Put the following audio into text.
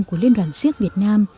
của liên đoàn siếc việt nam